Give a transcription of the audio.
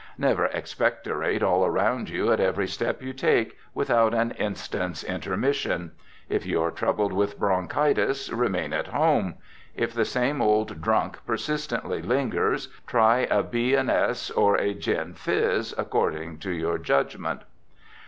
Never expectorate all around you at every step you take, without an instant's intermission. If you are troubled with bronchitis, remain at home. If the same old drunk persistently lingers, try a B. and S., or a gin fizz, according to your judgment.